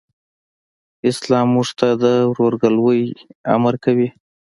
اسلام موږ ته د ورورګلوئ امر کوي.